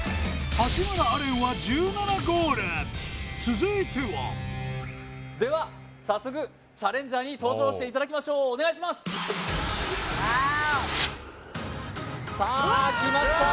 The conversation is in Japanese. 八村阿蓮は１７ゴール続いてはでは早速チャレンジャーに登場していたきましょうお願いしますわおさあ来ました